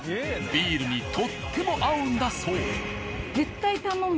ビールにとっても合うんだそう。